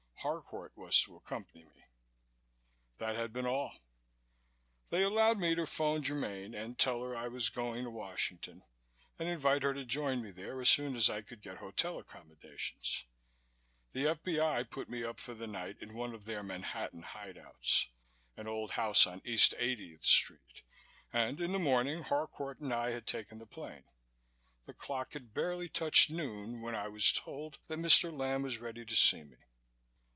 Harcourt was to accompany me. That had been all. They allowed me to phone Germaine and tell her I was going to Washington and invite her to join me there as soon as I could get hotel accommodations. The F.B.I. put me up for the night in one of their Manhattan hide outs an old house on East 80th Street and in the morning Harcourt and I had taken the plane. The clock had barely touched noon when I was told that Mr. Lamb was ready to see me.